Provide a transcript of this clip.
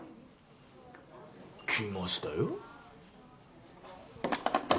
きましたよ